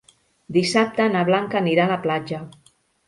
Dissabte na Blanca anirà a la platja.